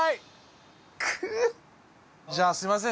じゃあすいません